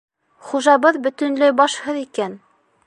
Хужабыҙ бөтөнләй башһыҙ икән!